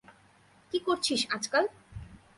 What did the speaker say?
কি করছিস আজকাল?